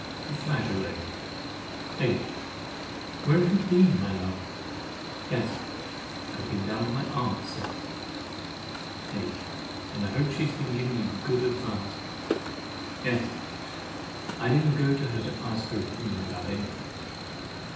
THE FLAGEOLET H. Where have you been, my love? S. I have been down to see my aunt, Sir. H. And I hope she has been giving you good advice. S. I did not go to ask her opinion about any thing.